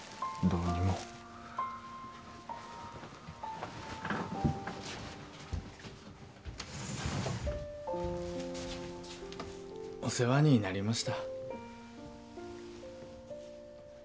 うにもお世話になりました